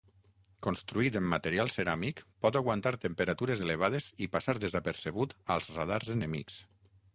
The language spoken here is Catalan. Construït en material ceràmic pot aguantar temperatures elevades i passar desapercebut als radars enemics.